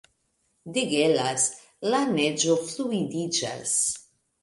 Degelas; la neĝo fluidiĝas.